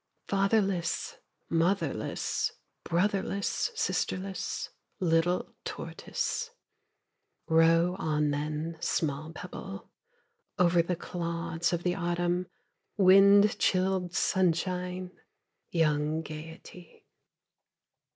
Fatherless, motherless, brotherless, sisterless Little tortoise. Row on then, small pebble, Over the clods of the autumn, wind chilled sunshine, Young gayety.